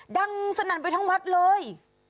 ดังสนั่นไปทั้งวัดเลย